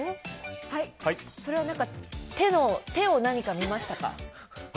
それは手を見ましたか？